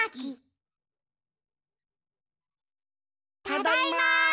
ただいま！